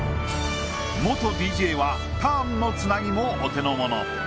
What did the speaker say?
元ＤＪはターンのつなぎもお手の物。